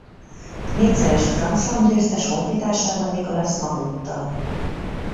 Négyszeres Grand Slam győztes honfitársával Nicolas Mahut-tal.